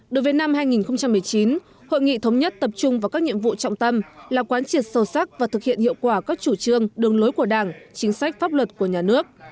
đối với năm hai nghìn một mươi chín hội nghị thống nhất tập trung vào các nhiệm vụ trọng tâm là quán triệt sâu sắc và thực hiện hiệu quả các chủ trương đường lối của đảng chính sách pháp luật của nhà nước